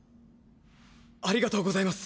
ありがとうございます。